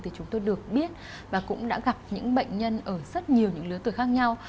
thì chúng tôi được biết và cũng đã gặp những bệnh nhân ở rất nhiều những lứa tuổi khác nhau